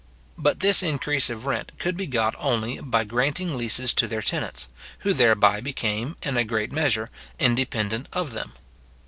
But this increase of rent could be got only by granting leases to their tenants, who thereby became, in a great measure, independent of them.